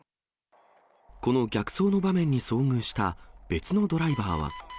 この逆走の場面に遭遇した別のドライバーは。